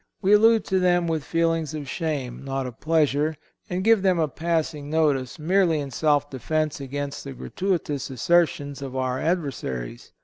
We allude to them with feelings of shame, not of pleasure; and give them a passing notice merely in self defence against the gratuitous assertions of our adversaries.